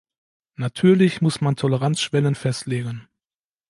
Natürlich muss man Toleranzschwellen festlegen.